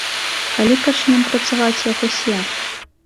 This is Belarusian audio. Калі пачнём працаваць як усе?